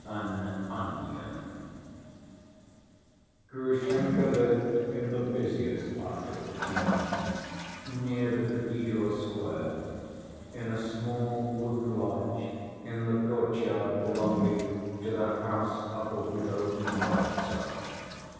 An Onion Grushenka lived in the busiest part of the town, near the cathedral square, in a small wooden lodge in the courtyard belonging to the house of the widow Morozov.